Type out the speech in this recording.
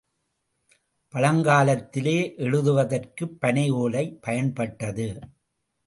பழங்காலத்திலே எழுதுவதற்குப் பனை ஓலை பயன்பட்டது.